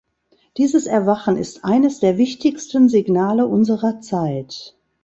Dieses Erwachen ist eines der wichtigsten Signale unserer Zeit.